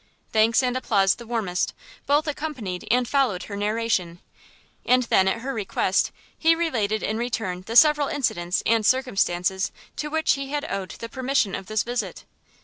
Thanks and applause the warmest, both accompanied and followed her narration; and then, at her request, he related in return the several incidents and circumstances to which he had owed the permission of this visit.